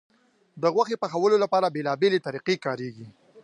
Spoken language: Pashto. د غوښې پخولو لپاره بیلابیلې طریقې کارېږي.